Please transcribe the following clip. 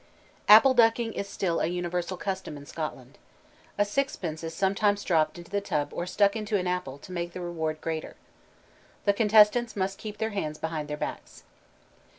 Apple ducking is still a universal custom in Scotland. A sixpence is sometimes dropped into the tub or stuck into an apple to make the reward greater. The contestants must keep their hands behind their backs.